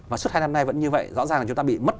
và suốt hai năm nay vẫn như vậy rõ ràng là chúng ta bị mất